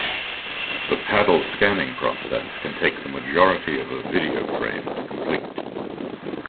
The Paddle scanning process can take the majority of a video frame to complete.